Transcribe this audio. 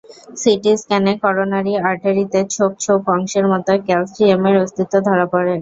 City স্ক্যানে coronary আর্টারিতে ছোপ ছোপ অংশের মতো ক্যালসিয়ামের অস্তিত্ব ধরা পড়ে।